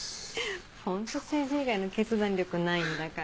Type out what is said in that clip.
本当政治以外の決断力ないんだから。